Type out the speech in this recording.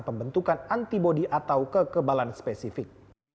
pembentukan antibody atau kekebalan spesifik